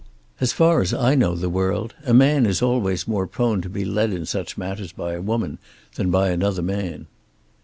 As far as I know the world a man is always more prone to be led in such matters by a woman than by another man."